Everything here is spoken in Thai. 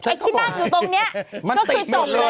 ที่นั่งอยู่ตรงนี้ก็คือจบเลย